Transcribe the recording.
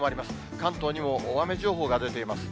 関東にも大雨情報が出ています。